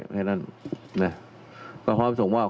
ผมไม่ต้องตอบว่าไงรัก